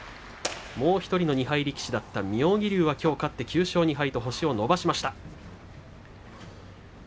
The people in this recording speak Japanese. もう１人の２敗力士だった妙義龍はきょう勝って９勝２敗と星を伸ばしました。